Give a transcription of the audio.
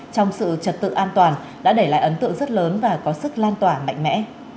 trong sự trật tự an toàn đã để lại ấn tượng rất lớn và có sức lan tỏa mạnh mẽ